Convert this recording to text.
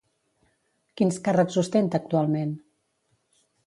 Quins càrrecs ostenta actualment?